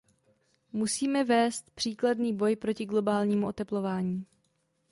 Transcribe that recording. Musíme vést příkladný boj proti globálnímu oteplování.